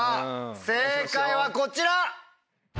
正解はこちら！